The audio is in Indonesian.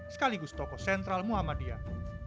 sekaligus tokoh sentral muamalat